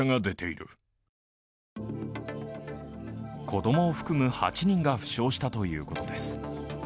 子供を含む８人が負傷したということです。